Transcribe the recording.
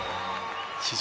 史上